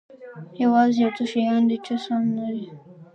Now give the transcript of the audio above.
یوازې یو څه شیان دي چې سم نه دي.